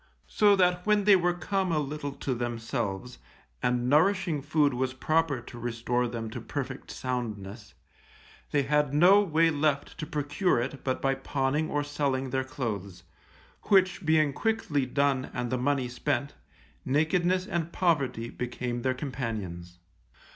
So that when they were come a little to themselves, and nourishing food was proper to restore them to perfect soundness, they had no way left to procure it but by pawning or selling their clothes, which being quickly done and the money spent, nakedness and poverty became their companions.